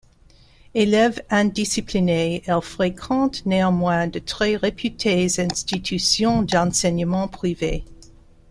Élève indisciplinée, elle fréquente néanmoins de très réputées institutions d'enseignement privées.